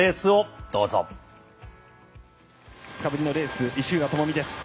２日ぶりのレース石浦智美です。